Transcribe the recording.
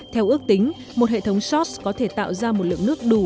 theo ước tính một hệ thống shos có thể tạo ra một lượng nước đủ